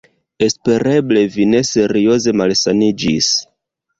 Espereble vi ne serioze malsaniĝis.